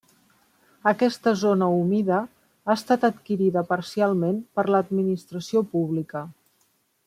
Aquesta zona humida ha estat adquirida parcialment per l'administració pública.